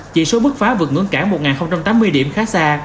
chỉ số bức phá vượt ngưỡng cản một tám mươi điểm khá xa